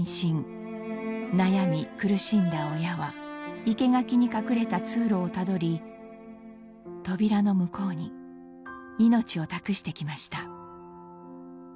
悩み苦しんだ親は生け垣に隠れた通路をたどり扉の向こうに命を託してきました。